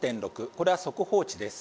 これは速報値です。